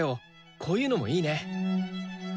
こういうのもいいね。